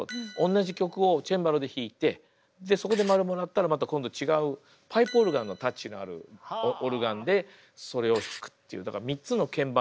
同じ曲をチェンバロで弾いてそこで○もらったらまた今度違うパイプオルガンのタッチのあるオルガンでそれを弾くっていう。